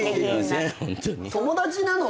友達なの？